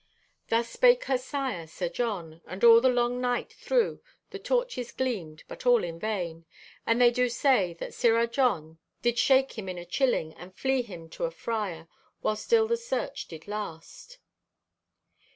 Thus spake her sire, Sir John. And all the long night thro' the torches gleamed, but all in vain. And they do say that Sirrah John did shake him in a chilling and flee him to a friar, while still the search did last.